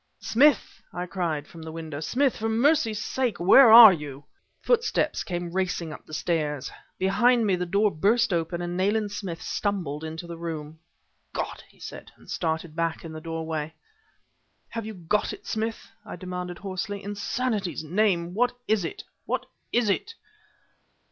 "Smith!" I cried from the window; "Smith, for mercy's sake where are you?" Footsteps came racing up the stairs. Behind me the door burst open and Nayland Smith stumbled into the room. "God!" he said, and started back in the doorway. "Have you got it, Smith?" I demanded hoarsely. "In sanity's name what is it what is it?"